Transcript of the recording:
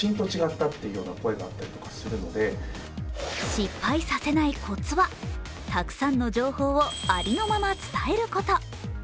失敗させないコツは、たくさんの情報をありのまま伝えること。